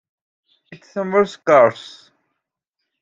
It is somewhat scarce.